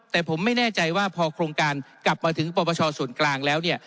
แต่ผมไม่แน่ใจว่าพอโครงการกลับมาถึงปปชส่วนกลางแล้วเนี่ย